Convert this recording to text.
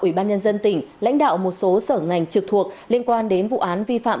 ủy ban nhân dân tỉnh lãnh đạo một số sở ngành trực thuộc liên quan đến vụ án vi phạm